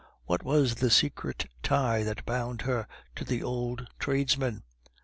What was the secret tie that bound her to the old tradesman?